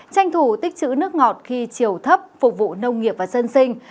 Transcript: tranh thủ tích chữ nước ngọt khi chiều thấp phục vụ nông nghiệp và dân sinh